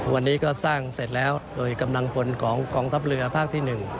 วันนี้ก็สร้างเสร็จแล้วโดยกำลังพลของกองทัพเรือภาคที่๑